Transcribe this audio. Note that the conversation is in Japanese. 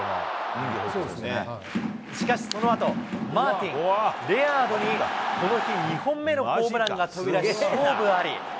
しかしそのあと、マーティン、レアードにこの日２本目のホームランが飛び出し、勝負あり。